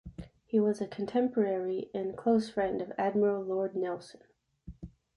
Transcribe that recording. He was a contemporary and close friend of Admiral Lord Nelson.